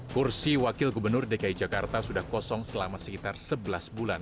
kursi wakil gubernur dki jakarta sudah kosong selama sekitar sebelas bulan